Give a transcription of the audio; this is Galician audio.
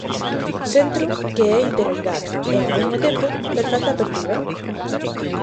Centro que é interioridade e, ao mesmo tempo, perfecta apertura.